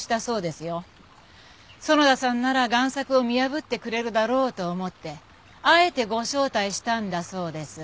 園田さんなら贋作を見破ってくれるだろうと思ってあえてご招待したんだそうです。